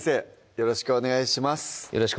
よろしくお願いします